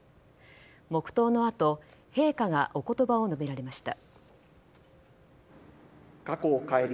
黙とうのあと陛下がお言葉を述べられました。